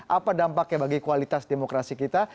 apa dampaknya bagi kualitas demokrasi kita